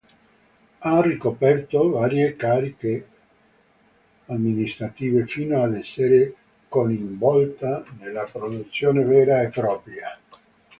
Ha ricoperto varie cariche amministrative fino ad essere coinvolta nella produzione vera e propria.